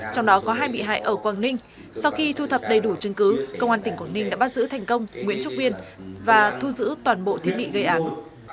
trong đó có hai bị hại ở quảng ninh sau khi thu thập đầy đủ chứng cứ công an tỉnh quảng ninh đã bắt giữ thành công nguyễn trúc viên và thu giữ toàn bộ thiết bị gây án